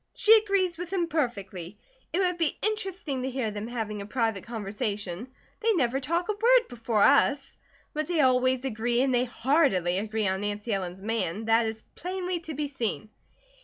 She agrees with him perfectly. It would be interesting to hear them having a private conversation. They never talk a word before us. But they always agree, and they heartily agree on Nancy Ellen's man, that is plainly to be seen."